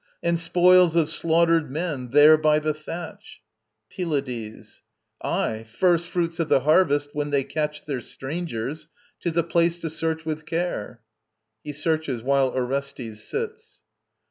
And spoils of slaughtered men there by the thatch. PYLADES. Aye, first fruits of the harvest, when they catch Their strangers! 'Tis a place to search with care [He searches, while ORESTES sits.